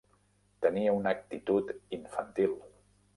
Tenia una actitud infantil.